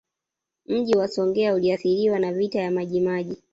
Mji wa Songea uliathirika na Vita ya Majimaji